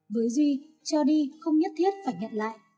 với duy cho đi không nhất thiết phải nhận lại